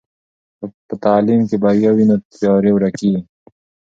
که په تعلیم کې بریا وي نو تیارې ورکېږي.